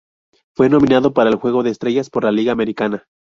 Fue nominado para el Juego de Estrellas por la Liga Americana.